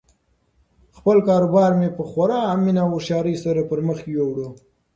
خپل کاروبار مې په خورا مینه او هوښیاري سره پرمخ یووړ.